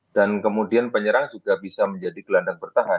dan kemudian penyerang juga bisa menjadi gelandang bertahan